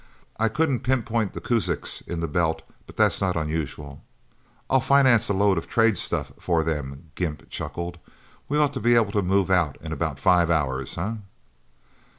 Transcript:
I couldn't pinpoint the Kuzaks in the Belt, but that's not unusual." "I'll finance a load of trade stuff for them," Gimp chuckled. "We ought to be able to move out in about five hours, eh?"